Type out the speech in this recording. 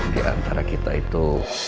diantara kita itu